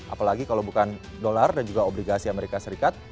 apalagi kalau bukan dolar dan juga obligasi amerika serikat